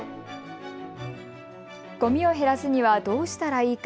ごみを減らすにはどうしたらいいか。